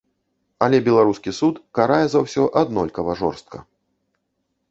Але беларускі суд карае за ўсё аднолькава жорстка.